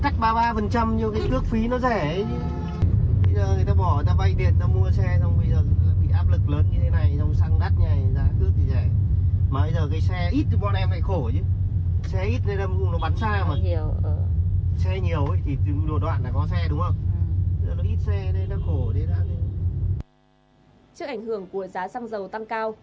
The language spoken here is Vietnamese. các tài xế đều phải vay tiền để mua xe ô tô